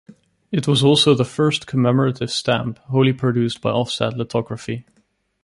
It was also the first commemorative stamp wholly produced by offset lithography.